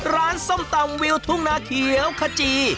ส้มตำวิวทุ่งนาเขียวขจี